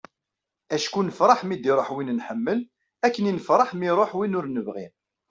acku nfeṛṛeḥ mi d-iruḥ win nḥemmel akken i nfeṛṛeḥ mi iruḥ win ur nebɣi